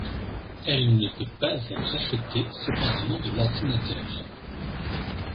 Elle ne peut pas être achetée séparément de l'ordinateur.